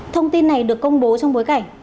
thông tin này được công bố trong bối cảnh